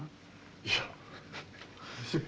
いや。